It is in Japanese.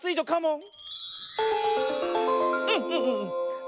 うん。